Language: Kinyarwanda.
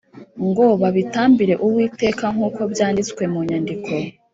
ngo babitambire Uwiteka nk uko byanditswe mu nyandiko